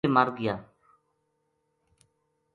گھوڑو بے مر گیا